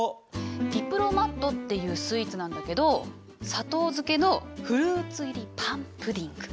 ディプロマットっていうスイーツなんだけど砂糖漬けのフルーツ入りパンプディング。